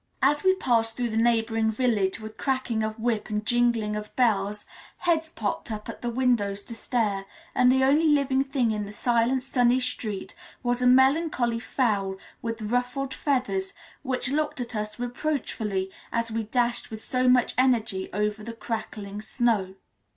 As we passed through the neighbouring village with cracking of whip and jingling of bells, heads popped up at the windows to stare, and the only living thing in the silent, sunny street was a melancholy fowl with ruffled feathers, which looked at us reproachfully, as we dashed with so much energy over the crackling snow.